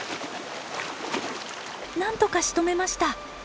なんとかしとめました。